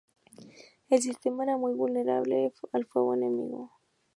El sistema era muy vulnerable al fuego enemigo.